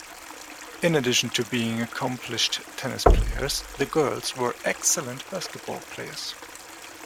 In addition to being accomplished tennis players, the girls were excellent basketball players.